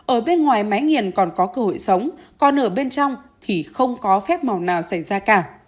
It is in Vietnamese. ở bên ngoài máy nghiền còn có cơ hội sống còn ở bên trong thì không có phép màu nào xảy ra cả